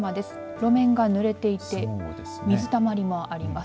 路面が濡れていて水たまりもあります。